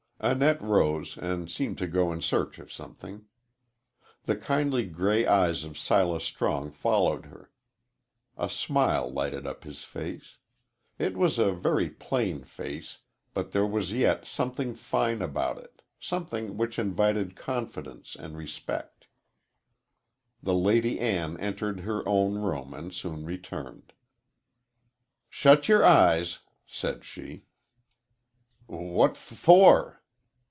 Annette rose and seemed to go in search of something. The kindly gray eyes of Silas Strong followed her. A smile lighted up his face. It was a very plain face, but there was yet something fine about it, something which invited confidence and respect. The Lady Ann entered her own room, and soon returned. "Shut yer eyes," said she. "What f for?"